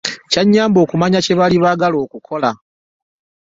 Kyannyamba okumanya kye baali baagala okukola.